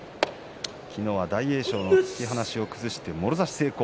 昨日は大栄翔の突き放しを崩してもろ差し成功。